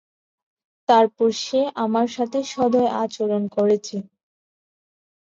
তারপরও সে আমার সাথে সদয় আচরণ করেছে।